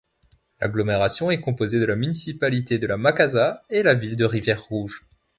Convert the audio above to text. L'agglomération est composé de la municipalité de La Macaza et la ville de Rivière-Rouge.